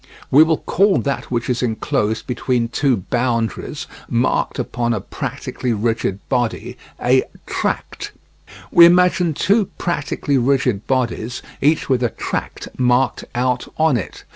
We will call that which is enclosed between two boundaries, marked upon a practically rigid body, a tract. We imagine two practically rigid bodies, each with a tract marked out on it.